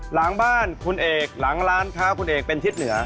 หลังบ้านคุณเอกหลังร้านค้าคุณเอกเป็นทิศเหนือ